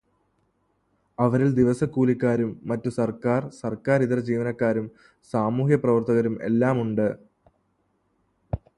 അവരിൽ ദിവസക്കൂലിക്കാരും മറ്റു സർക്കാർ, സർക്കാരിതരജീവനക്കാരും സാമൂഹ്യപ്രവർത്തകരും എല്ലാം ഉണ്ട്.